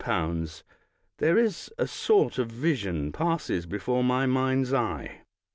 there is a sort of vision passes before my mind's eye.